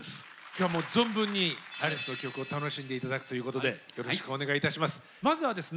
今日はもう存分にアリスの曲を楽しんで頂くということでよろしくお願いいたします。